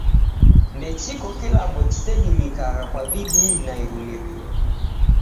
Ndechiko kilambo chisedimikagha kwa bidii na irumirio.